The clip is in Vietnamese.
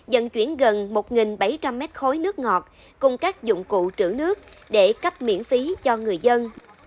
dẫn chuyển gần một bảy trăm linh mét khối nước ngọt cùng các dụng cụ trữ nước để cấp miễn phí cho người dân